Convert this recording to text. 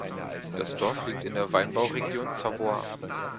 Das Dorf liegt in der Weinbauregion Savoie.